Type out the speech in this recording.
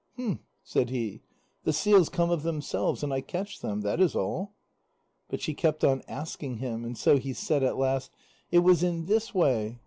"H'm," said he. "The seals come of themselves, and I catch them that is all." But she kept on asking him, and so he said at last: "It was in this way.